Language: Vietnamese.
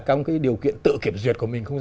trong cái điều kiện tự kiểm duyệt của mình